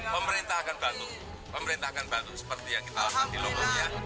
pemerintah akan bantu pemerintah akan bantu seperti yang kita lakukan di lomboknya